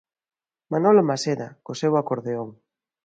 Manolo Maseda, co seu acordeón.